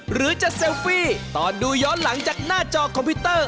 หรือจะเซลฟี่ตอนดูย้อนหลังจากหน้าจอคอมพิวเตอร์